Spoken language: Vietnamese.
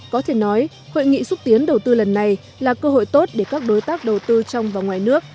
có thể nói hội nghị xúc tiến đầu tư lần này là cơ hội tốt để các đối tác đầu tư trong và ngoài nước